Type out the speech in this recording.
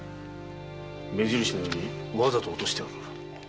目印のようにわざと落としてある。